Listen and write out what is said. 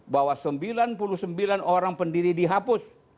bahwa sembilan puluh sembilan orang pendiri dihapus